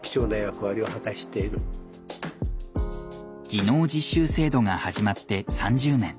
技能実習制度が始まって３０年。